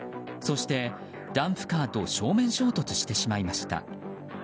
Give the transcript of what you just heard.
そして、ダンプカーと正面衝突してしまいました。